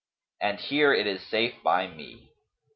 And here it is safe by me."